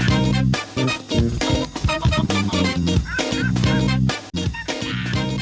เป็นยาแก่ใจตัวเร็วว่าไม่รอด